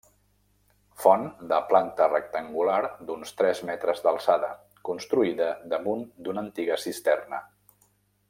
Font de planta rectangular d'uns tres metres d'alçada, construïda damunt d'una antiga cisterna.